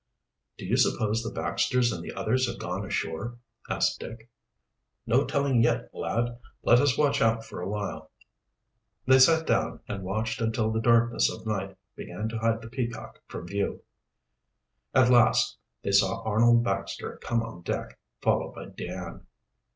"Do you suppose the Baxters and the others have gone ashore?" asked Dick. "No telling yet, lad. Let us watch out for a while." They sat down and watched until the darkness of night began to hide the Peacock from view. At last they saw Arnold Baxter come on deck, followed by Dan.